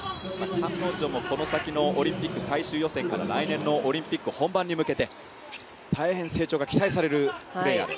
彼女も、この先のオリンピック最終予選から来年のオリンピック本番に向けて大変、成長が期待されるプレーヤー。